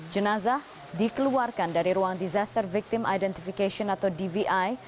jenazah dikeluarkan dari ruang disaster victim identification atau dvi